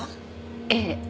ええ。